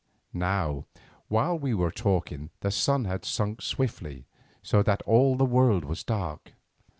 Now while we were talking the sun had sunk swiftly, so that all the world was dark.